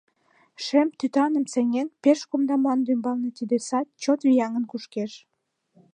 Шем тӱтаным сеҥен, пеш кумда мландӱмбалне Тиде сад чот вияҥын кушкеш.